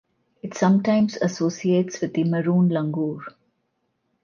It sometimes associates with the maroon langur.